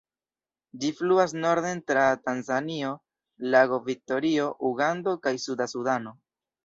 Ĝi fluas norden tra Tanzanio, Lago Viktorio, Ugando kaj Suda Sudano.